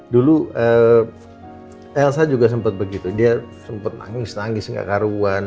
dulu elsa juga sempat begitu dia sempat nangis nangis gak karuan